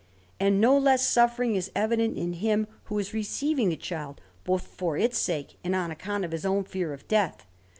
And no less suffering is evident in him who is receiving the child, both for its sake and on account of his own fear of death.